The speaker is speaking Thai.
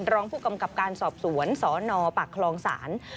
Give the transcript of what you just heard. ร้องผู้กำกับการสอบสวนสฆภรรศ์ประคลองศาล